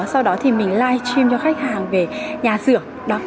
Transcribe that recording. sau đó thì mình live stream cho khách hàng về nhà xưởng